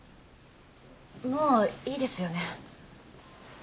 もういいですよね？